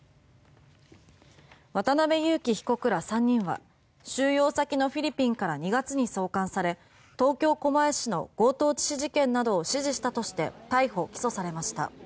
渡邉優樹被告ら３人は収容先のフィリピンから２月に送還され東京・狛江市の強盗致死事件などを指示したとして逮捕・起訴されました。